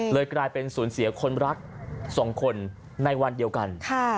กลายเป็นสูญเสียคนรัก๒คนในวันเดียวกัน